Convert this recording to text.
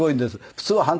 普通は反対。